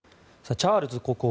チャールズ国王